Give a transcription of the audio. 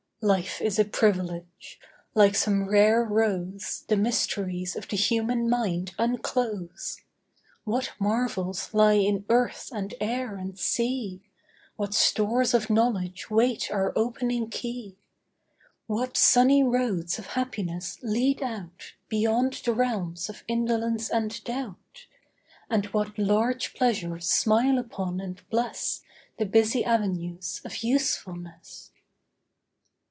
Life is a privilege. Like some rare rose The mysteries of the human mind unclose. What marvels lie in earth and air and sea, What stores of knowledge wait our opening key, What sunny roads of happiness lead out Beyond the realms of indolence and doubt, And what large pleasures smile upon and bless The busy avenues of usefulness.